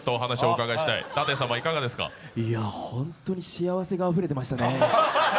本当に幸せがあふれていましたね。